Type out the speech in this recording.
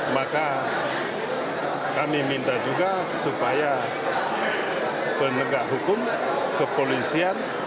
maka kami minta juga supaya penegak hukum kepolisian